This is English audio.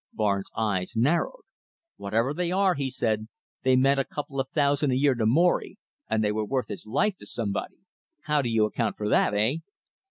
Barnes' eyes narrowed. "Whatever they are," he said, "they meant a couple of thousand a year to Morry, and they were worth his life to somebody! How do you account for that, eh?"